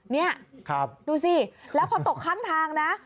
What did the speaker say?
นี่ดูสิแล้วพอตกข้างทางนะ